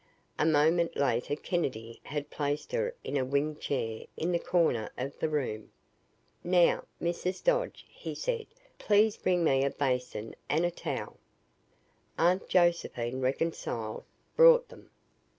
A moment later Kennedy had placed her in a wing chair in the corner of the room. "Now, Mrs. Dodge," he said, "please bring me a basin and a towel." Aunt Josephine, reconciled, brought them.